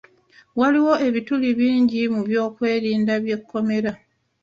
Waaliwo ebituli bingi mu by'okwerinda by'ekomera.